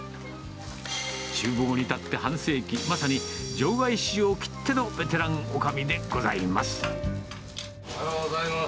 ちゅう房に立って半世紀、まさに場外市場きってのベテランおかみおはようございます。